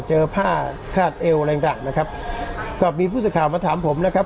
เจอผ้าคาดเอวอะไรต่างนะครับก็มีผู้สื่อข่าวมาถามผมนะครับ